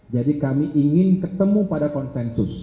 jadi kami ingin ketemu pada konsensus